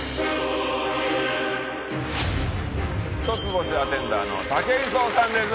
一つ星アテンダーの武井壮さんです。